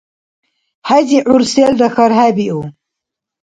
ХӀези гӀур селра хьархӀебиу.